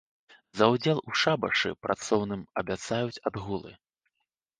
За ўдзел у шабашы працоўным абяцаюць адгулы.